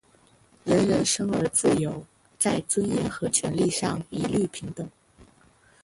人人生而自由，在尊严和权利上一律平等。